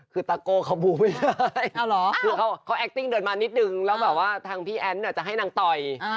คือตะโก้เขาบูไปเลยคือเขาแอคติ้งเดินมานิดนึงแล้วแบบว่าทางพี่แอ้นจะให้นางต่อย